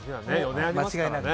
間違いなく。